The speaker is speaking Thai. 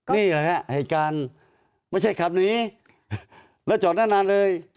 นี่แหละฮะเหตุการณ์ไม่ใช่ขับหนีแล้วจอดได้นานเลย